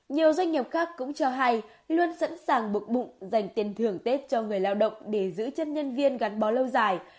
nhiều doanh nghiệp khác cũng cho hay luôn sẵn sàng bục bụng dành tiền thưởng tết cho người lao động để giữ chân nhân viên gắn bó lâu dài